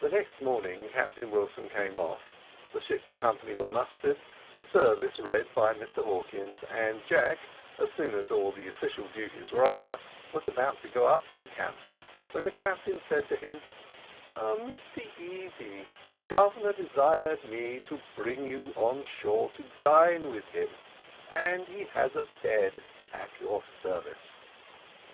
The next morning Captain Wilson came off; the ship's company were mustered, the service read by Mr Hawkins, and Jack, as soon as all the official duties were over, was about to go up to the captain, when the captain said to him: "Mr Easy, the Governor desired me to bring you on shore to dine with him, and he has a bed at your service."